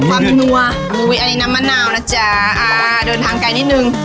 นวะมื้วอีอีน้ำมะนาวนะจ้าอ่าเดินทางไกลนิดหนึ่ง